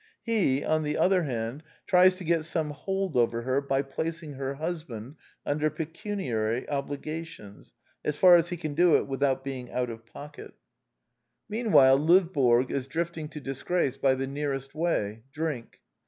He, on the other hand, tries to get some hold over her by placing her husband under pecuniary obligations, as far as he can do it without being out of pocket. 130 The Quintessence of Ibsenism Meanwhile Lovborg is drifting to disgrace by the nearest way : drink.